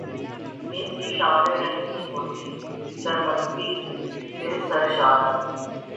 انکی شامیں رنگین ہوتیں، سرمستی سے سرشار۔